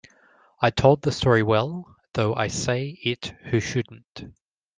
I told the story well, though I say it who shouldn’t.